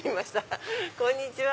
こんにちは。